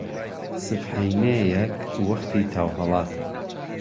سبحەینێەک وەختی تاو هەڵاتە